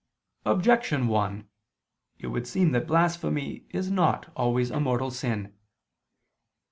Objection 1: It would seem that blasphemy is not always a mortal sin.